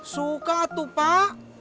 suka tuh pak